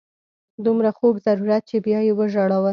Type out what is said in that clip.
دومره خوږ ضرورت چې بیا یې وژاړو.